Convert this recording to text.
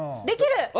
できる？